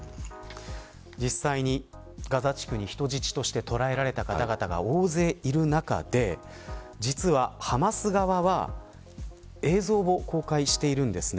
実際に、ガザ地区に人質として捉えられた方々が大勢いる中で実はハマス側は映像を公開しているんです。